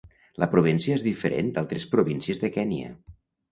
La província és diferent d'altres províncies de Kenya.